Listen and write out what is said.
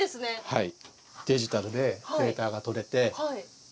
はい。